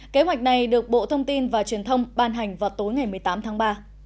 kế hoạch này được bộ thông tin và truyền thông ban hành vào tối ngày một mươi tám tháng ba